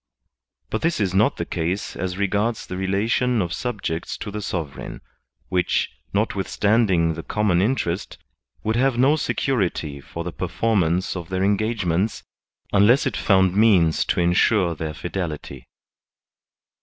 But this is not the case as regards the relation of sub jects to the sovereign, which, notwithstanding the com mon interest, would have no security for the perform ance of their engagements, unless it found means to ensure their fidelity.